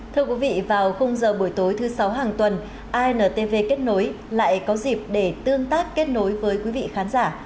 thưa quý vị vào giờ buổi tối thứ sáu hàng tuần intv kết nối lại có dịp để tương tác kết nối với quý vị khán giả